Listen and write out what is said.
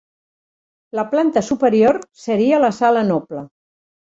La planta superior seria la sala noble.